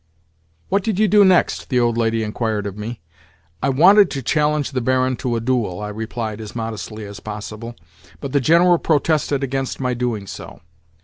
"What did you do next?" The old lady inquired of me. "I wanted to challenge the Baron to a duel," I replied as modestly as possible; "but the General protested against my doing so."